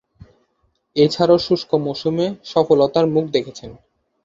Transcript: এছাড়াও শুষ্ক মৌসুমে সফলতার মুখ দেখেছেন।